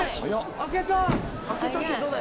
開けた！